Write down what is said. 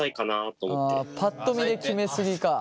パッと見で決めすぎか。